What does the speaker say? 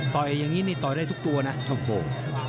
ต่อยอย่างงี้นี่ต่อยได้ทุกธงไปนะ